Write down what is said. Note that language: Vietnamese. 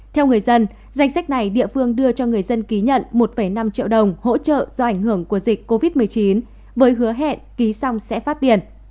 theo người dân danh sách này địa phương đưa cho người dân ký nhận một năm triệu đồng hỗ trợ do ảnh hưởng của dịch covid một mươi chín với hứa hẹn ký xong sẽ phát tiền